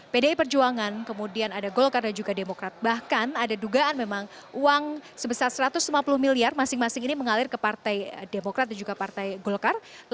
pdi perjuangan kemudian ada golkar dan juga demokrat bahkan ada dugaan memang uang sebesar satu ratus lima puluh miliar masing masing ini mengalir ke partai demokrat dan juga partai golkar